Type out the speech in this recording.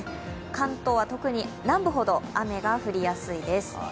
関東は特に、南部ほど雨が降りやすいです。